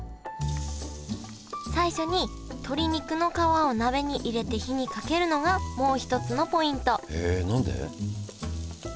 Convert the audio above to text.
最初に鶏肉の皮を鍋に入れて火にかけるのがもう一つのポイントへえ何で？